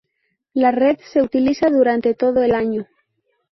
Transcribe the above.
La red se utiliza durante todo el año.